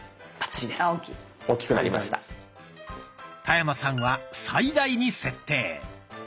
田山さんは「最大」に設定。